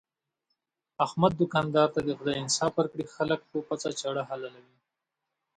احمد دوکاندار ته دې خدای انصاف ورکړي، خلک په پڅه چاړه حلالوي.